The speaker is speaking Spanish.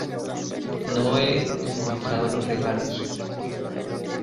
no he encontrado los regalos.